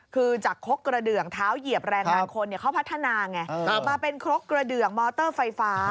คือจากครกกระเดืองเท้าเหยียบแรงงานคนเขาพัฒนาไงมาเป็นครกกระเดืองมอเตอร์ไฟฟ้า